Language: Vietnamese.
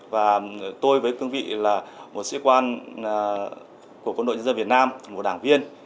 và tôi với cương vị là một sĩ quan của quân đội dân dân việt nam một đảng viên